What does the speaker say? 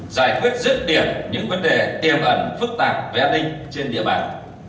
giải quyết rất biệt những vấn đề tiềm ẩn phức tạp về an ninh trên địa bàn